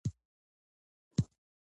دا ناول د هر پښتانه په کور کې باید وي.